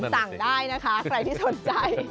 สั่งได้นะคะใครที่สนใจ